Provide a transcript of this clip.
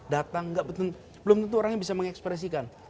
datang gak belum tentu orangnya bisa mengekspresikan